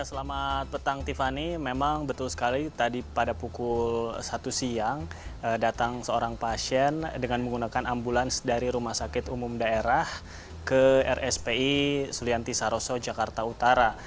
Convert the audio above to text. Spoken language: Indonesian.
selamat petang tiffany memang betul sekali tadi pada pukul satu siang datang seorang pasien dengan menggunakan ambulans dari rumah sakit umum daerah ke rspi sulianti saroso jakarta utara